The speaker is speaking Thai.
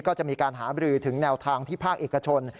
ก็จะมีการหาบรือถึงแนวทางที่ภาคเอกชน